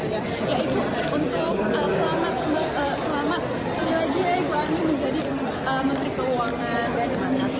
ya ibu untuk selamat sekali lagi ibu ani menjadi menteri keuangan